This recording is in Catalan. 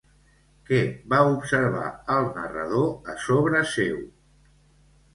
Què va observar el narrador a sobre seu?